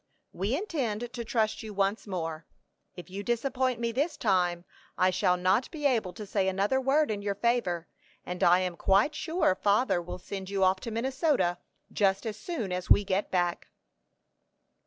"We intend to trust you once more. If you disappoint me this time, I shall not be able to say another word in your favor; and I am quite sure father will send you off to Minnesota just as soon as we get back."